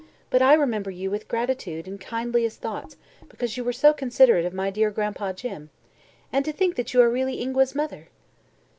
But I remember you with gratitude and kindliest thoughts, because you were so considerate of my dear Gran'pa Jim. And to think that you are really Ingua's mother!"